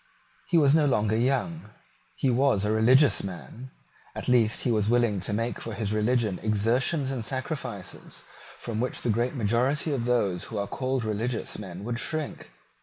He was no longer young. He was a religious man; at least he was willing to make for his religion exertions and sacrifices from which the great majority of those who are called religious men would shrink.